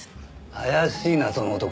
怪しいなその男。